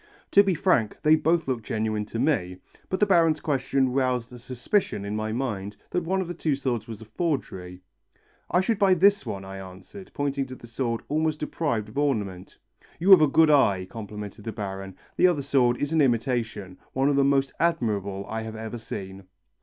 To be frank, they both looked genuine to me, but the Baron's question roused a suspicion in my mind that one of the two swords was a forgery. "I should buy this one," I answered, pointing to the sword almost deprived of ornament. "You have a good eye," complimented the Baron. "The other sword is an imitation, one of the most admirable I have ever seen."